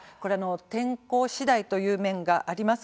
天候次第という面もあります